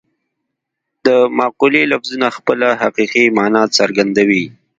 د مقولې لفظونه خپله حقیقي مانا څرګندوي